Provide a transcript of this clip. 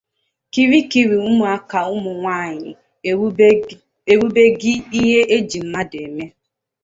kịrịkịrị ụmụaka ụmụnwaanyị erubeghị ihe e ji mmadụ eme